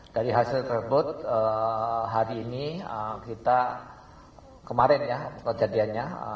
dari hasil freeport hari ini kita kemarin ya kejadiannya